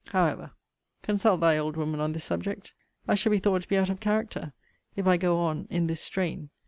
However, consult thy old woman on this subject. I shall be thought to be out of character, if I go on in this strain.